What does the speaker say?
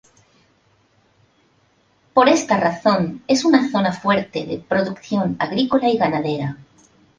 Por esta razón, es una zona fuerte de producción agrícola y ganadera.